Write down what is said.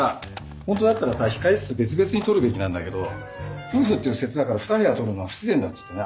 ホントだったらさ控室別々に取るべきなんだけど夫婦っていう設定だから２部屋取るのは不自然だっつってね